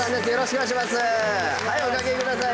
はいおかけください